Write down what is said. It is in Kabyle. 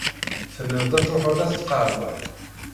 Tenniḍ-d ad tṛuḥeḍ ad t-tqeɛdeḍ.